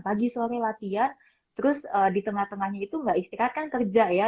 pagi sore latihan terus di tengah tengahnya itu nggak istirahat kan kerja ya